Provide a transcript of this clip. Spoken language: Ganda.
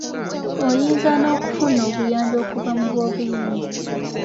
Ozinya n’okufuna obuyambi okuva mu boobuyinza.